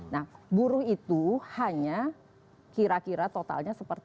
nah buruh itu hanya kira kira totalnya sekitar sepuluh juta